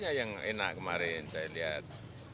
bakarnya enak kemarin saya lihat